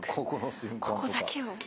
ここだけを。